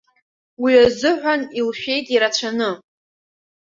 Уи азыҳәан илшәеит ирацәаны.